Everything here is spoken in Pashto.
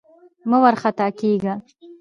مه وارخطا کېږه!